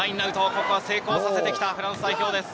ここは成功させてきたフランス代表です。